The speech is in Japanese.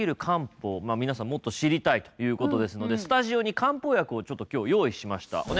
皆さんもっと知りたいということですのでスタジオに漢方薬をちょっと今日用意しました。